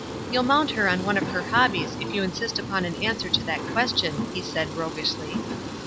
"You'll mount her on one of her hobbies if you insist upon an answer to that question," he 6aid, roguishly.